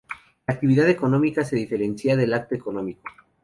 La actividad económica se diferencia del acto económico.